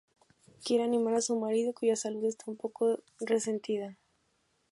Quiere animar a su marido, cuya salud está un poco resentida.